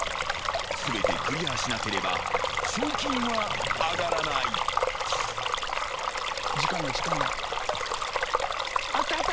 ［全てクリアしなければ賞金は上がらない］あったあった。